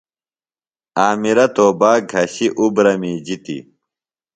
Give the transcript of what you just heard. عامرہ توباک گھشیۡ اُبرہ می جِتیۡ۔